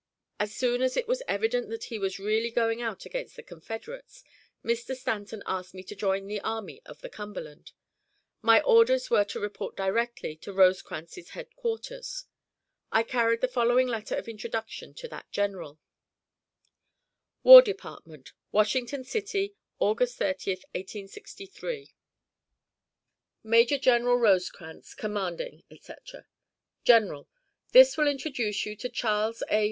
As soon as it was evident that he was really going out against the Confederates, Mr. Stanton asked me to join the Army of the Cumberland. My orders were to report directly to Rosecrans's headquarters. I carried the following letter of introduction to that general: WAR DEPARTMENT, WASHINGTON CITY, August 30, 1863. MAJ. GEN. ROSECRANS, Commanding, etc. GENERAL: This will introduce to you Charles A.